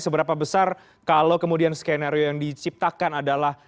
seberapa besar kalau kemudian skenario yang diciptakan adalah